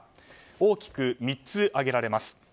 大きく３つ挙げられます。